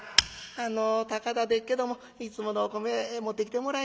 「あの高田でっけどもいつものお米持ってきてもらえまへんやろか」。